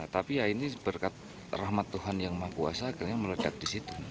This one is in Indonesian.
tapi ya ini berkat rahmat tuhan yang maha kuasa akhirnya meledak di situ